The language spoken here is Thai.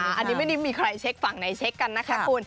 อันนี้ไม่ได้มีใครเช็คฝั่งไหนเช็คกันนะคะคุณ